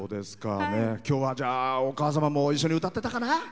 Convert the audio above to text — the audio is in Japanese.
きょうはお母様も一緒に歌ってたかな？